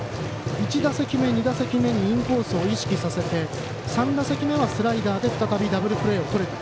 １打席目、２打席目にインコースを意識させて３打席目はスライダーで再びダブルプレーをとれた。